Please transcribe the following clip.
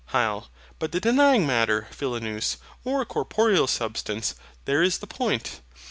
HYL. But the denying Matter, Philonous, or corporeal Substance; there is the point.